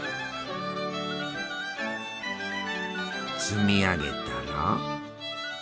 積み上げたら。